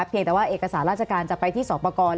เพียงแต่ว่าเอกสารราชการจะไปที่สอบประกอบ